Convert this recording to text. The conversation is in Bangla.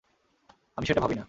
আমি সেটা ভাবিনা।